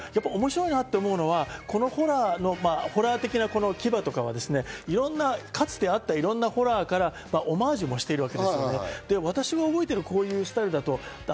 面白いと思うのは、このホラーの、ホラー的な牙とかはかつてあった、いろんなホラーからオマージュもしているわけですね。